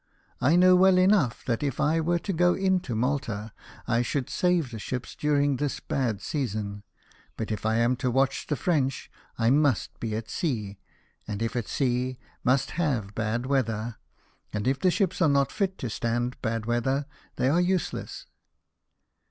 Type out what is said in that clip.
I know well enough that if I were to go into Malta I should save the ships during this bad season ; but, if I am to watch the French, I must be at sea, and, if at sea, must have bad weather, and if the ships are not fit to stand bad weather, they are useless."